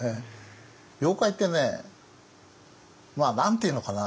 妖怪ってね何て言うのかな